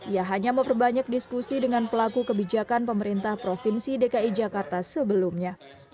ia hanya memperbanyak diskusi dengan pelaku kebijakan pemerintah provinsi dki jakarta sebelumnya